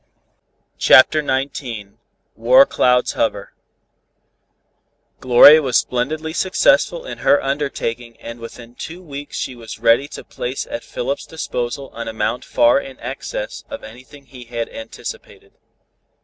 CHAPTER XIX WAR CLOUDS HOVER Gloria was splendidly successful in her undertaking and within two weeks she was ready to place at Philip's disposal an amount far in excess of anything he had anticipated.